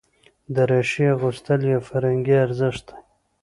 دریشي اغوستل یو فرهنګي ارزښت دی.